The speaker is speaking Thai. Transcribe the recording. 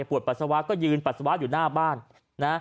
ไม่ปวดปัสสาวะก็ยืนอยู่หน้าบ้าน